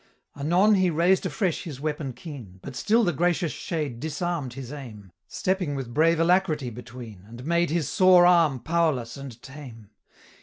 Anon, he raised afresh his weapon keen; But still the gracious Shade disarm'd his aim, Stepping with brave alacrity between, And made his sore arm powerless and tame.